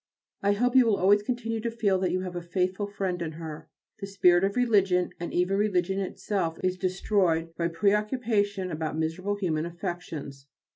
I hope you will always continue to feel that you have a faithful friend in her. The spirit of religion and even religion itself is destroyed by preoccupation about miserable human affections.